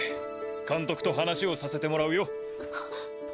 監督と話をさせてもらうよ。